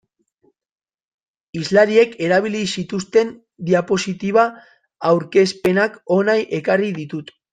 Hizlariek erabili zituzten diapositiba aurkezpenak hona ekarri ditut.